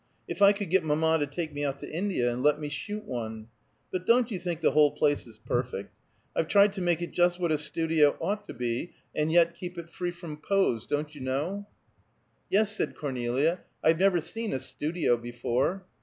If I could get mamma to take me out to India and let me shoot one! But don't you think the whole place is perfect? I've tried to make it just what a studio ought to be, and yet keep it free from pose, don't you know?" "Yes," said Cornelia. "I've never seen a studio, before."